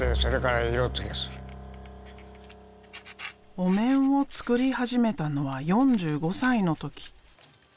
お面を作り始めたのは４５歳の時。